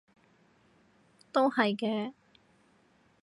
都係嘅